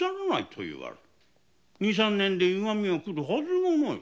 二三年で歪みがくるはずがない。